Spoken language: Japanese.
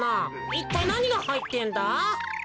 いったいなにがはいってんだ？